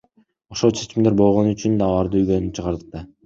Ошол чечимдер болгону үчүн аларды үйдөн чыгардык да.